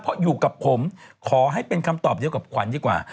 เพราะอยู่กับผมขอให้เป็นคำตอบเดียวกับขวัญดีกว่า